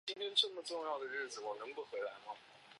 三官手书是五斗米道为人治病时所用的一种仪式。